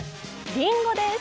りんごです。